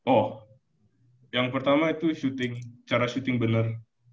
oh yang pertama itu syuting cara syuting bener